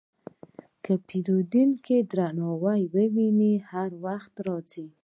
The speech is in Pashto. که پیرودونکی درناوی وویني، هر وخت راځي.